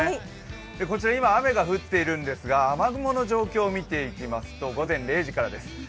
こちら今、雨が降っているんですが雨雲の状況を見ていきますと、午前０時からです。